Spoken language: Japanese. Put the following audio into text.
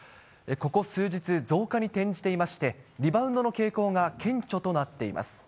ここ数日、増加に転じていまして、リバウンドの傾向が顕著となっています。